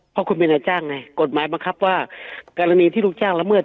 เพราะคุณเป็นนายจ้างไงกฎหมายบังคับว่ากรณีที่ลูกจ้างละเมิด